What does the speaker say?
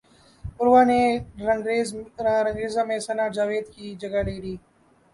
عروہ نے رنگریزا میں ثناء جاوید کی جگہ لے لی